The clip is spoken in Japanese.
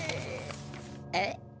えっ？